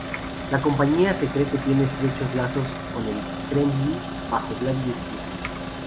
La compañía se cree que tiene estrechos lazos con el Kremlin bajo Vladímir Putin.